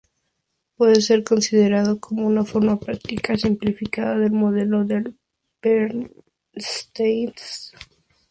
Puede ser considerado como una forma práctica, simplificada del modelo de Bernstein-Kearsley-Zapas.